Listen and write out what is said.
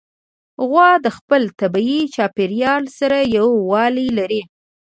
غوا د خپل طبیعي چاپېریال سره یووالی لري.